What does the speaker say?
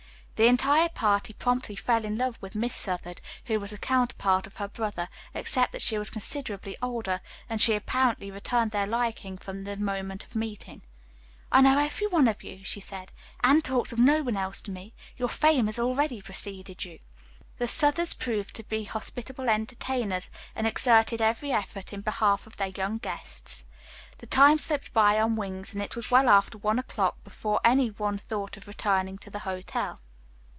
The entire party promptly fell in love with Miss Southard, who was the counterpart of her brother, except that she was considerably older, and she apparently returned their liking from the moment of meeting. "I know every one of you," she said. "Anne talks of no one else to me. Your fame has already preceded you." The Southards proved to be hospitable entertainers, and exerted every effort in behalf of their young guests. The time slipped by on wings, and it was well after one o'clock before any one thought of returning to the hotel.